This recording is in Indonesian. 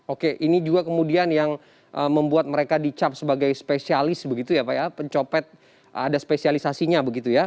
oke ini juga kemudian yang membuat mereka dicap sebagai spesialis begitu ya pak ya pencopet ada spesialisasinya begitu ya